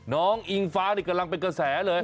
น้องอิงฟ้ากำลังเป็นกระแสเลย